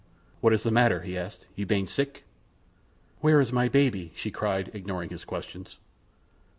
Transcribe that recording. "What is the matter?" he asked. "You ban sick?" "Where is my baby?" she cried, ignoring his questions.